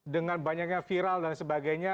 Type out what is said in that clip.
dengan banyaknya viral dan sebagainya